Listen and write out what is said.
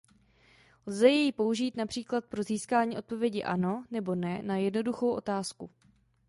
Lze jej použít například pro získání odpovědi „ano“ nebo „ne“ na jednoduchou otázku.